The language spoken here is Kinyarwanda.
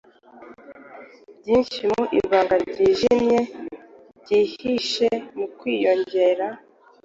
Byinshi Mu ibanga ryijimye ryihishe mu kwiyongera